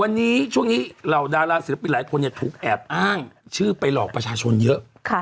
วันนี้ช่วงนี้เหล่าดาราศิลปินหลายคนถูกแอบอ้างชื่อไปหลอกประชาชนเยอะ